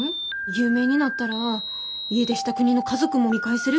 有名になったらあ家出した故郷の家族も見返せるしぃ。